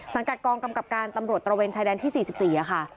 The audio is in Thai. กัดกองกำกับการตำรวจตระเวนชายแดนที่๔๔ค่ะ